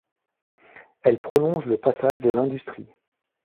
Elle prolonge le passage de l'Industrie.